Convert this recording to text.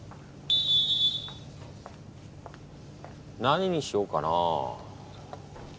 何にしようかな。